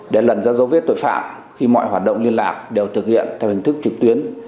để lần ra dấu vết tội phạm khi mọi hoạt động liên lạc đều thực hiện theo hình thức trực tuyến